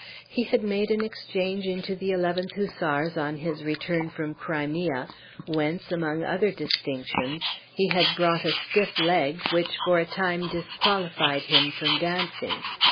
He had made an exchange into the 11th Hussars on his return from the Crimea, whence, among other distinctions, he had brought a stiff leg, which for a time disqualified him from dancing.